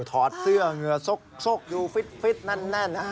ถอดเสื้อเหนือสกอยู่ฟิตนั่นนะครับ